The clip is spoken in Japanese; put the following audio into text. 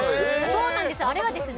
そうなんです。